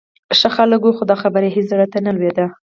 ښه خلک و، خو دا خبره یې هېڅ زړه ته نه لوېده.